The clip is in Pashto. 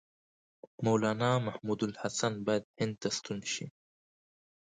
مولنا محمودالحسن باید هند ته ستون شي.